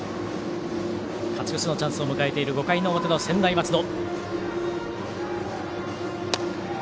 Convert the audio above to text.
勝ち越しのチャンスを迎えている５回の表の専大松戸。